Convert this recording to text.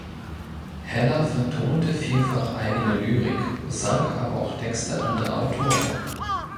Heller vertonte vielfach eigene Lyrik, sang aber auch Texte anderer Autoren.